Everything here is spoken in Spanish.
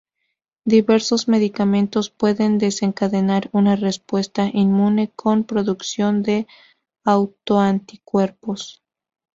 Diversos medicamentos pueden desencadenar una respuesta inmune con producción de autoanticuerpos.